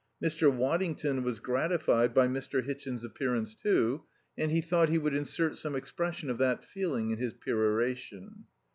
Mr. Waddington was gratified by Mr. Hitchin's appearance, too, and he thought he would insert some expression of that feeling in his peroration.